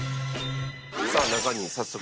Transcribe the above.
さあ中に早速。